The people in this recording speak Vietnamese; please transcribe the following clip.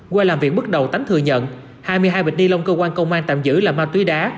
qua làm việc bước đầu ánh thừa nhận hai mươi hai bịch ni lông cơ quan công an tạm giữ là ma túy đá